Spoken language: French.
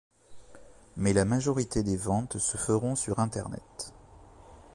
Mais la majorité des ventes se feront sur internet.